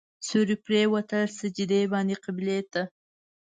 سیوري پرېوتل سجدې باندې قبلې ته.